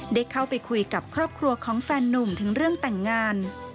ได้เข้าไปคุยกับครอบครัวของแฟนนุ่มถึงเรื่องแต่งงาน